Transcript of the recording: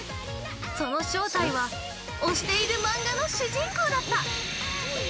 その正体は推している漫画の主人公だった！